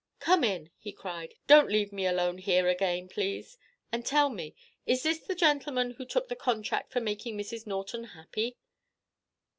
"Come in," he cried. "Don't leave me alone here again, please. And tell me is this the gentleman who took the contract for making Mrs. Norton happy?"